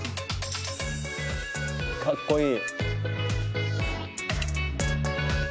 かっこいい。